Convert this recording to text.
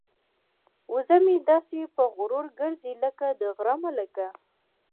وزه مې داسې په غرور ګرځي لکه د غره ملکه.